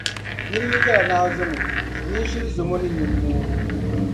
Nira yi yɛli a ni a zɔmi o, nyin shiri zɔmi o ni nimmoo.